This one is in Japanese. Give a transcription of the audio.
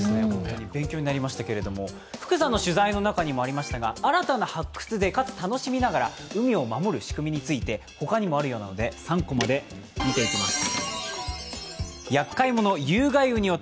勉強になりましたけれども福さんの取材にもありましたが、新たな発掘で、かつ楽しみながら海を守る仕組みについて、他にもあるようなので３コマで見ていきます。